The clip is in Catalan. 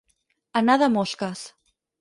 Anar de mosques.